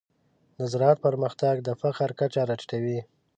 د زراعت پرمختګ د فقر کچه راټیټوي.